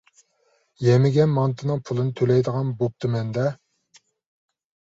يېمىگەن مانتىنىڭ پۇلىنى تۆلەيدىغان بوپتىمەن-دە.